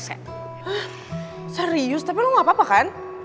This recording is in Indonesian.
hah serius tapi lo gapapa kan